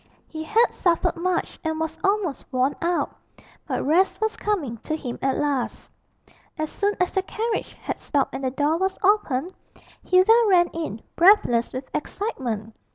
He had suffered much and was almost worn out; but rest was coming to him at last. As soon as the carriage had stopped and the door was opened, Hilda ran in, breathless with excitement.